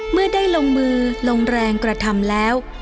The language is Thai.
เมื่อได้ลงมือลงแรงกระทำแล้ว